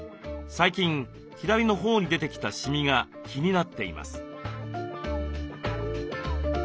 最近左の頬に出てきたシミが気になっています。